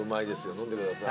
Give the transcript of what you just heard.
飲んでください。